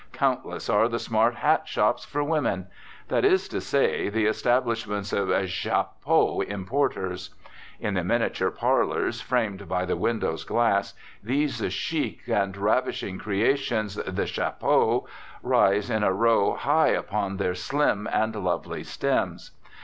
Countless are the smart hat shops for women. That is to say, the establishments of "chapeaux importers." In the miniature parlours framed by the windows' glass these chic and ravishing creations, the chapeaux, rise in a row high upon their slim and lovely stems.